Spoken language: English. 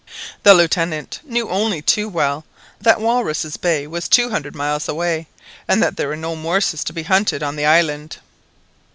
The Lieutenant knew only too well that Walruses' Bay was two hundred miles away, and that there were no morses to be hunted on the island.